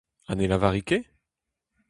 Ha ne lavari ket ?